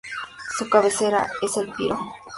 Su cabecera es El Piro.